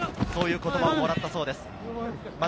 そういう言葉をもらったそうです。